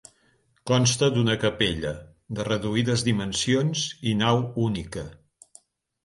Consta d'una capella, de reduïdes dimensions i nau única.